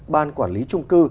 ban quản lý trung cư